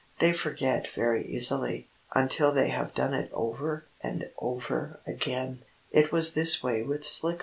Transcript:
They forget very easily, until they have done it over and over again. It was this way with Slicko.